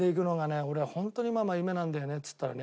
俺はホントにママ夢なんだよねっつったらね